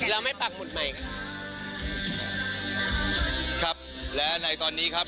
เราไม่ปักหมุดใหม่ครับครับและในตอนนี้ครับ